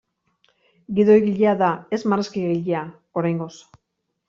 Gidoigilea da ez marrazkigilea, oraingoz.